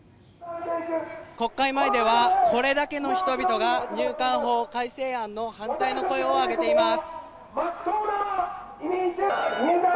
国会前では、これだけの人々が入管法改正案の反対の声を上げています。